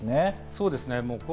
そうですね。